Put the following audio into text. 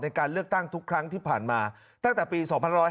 ในการเลือกตั้งทุกครั้งที่ผ่านมาตั้งแต่ปี๒๕๕๙